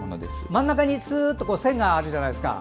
真ん中に、すーっと線があるじゃないですか。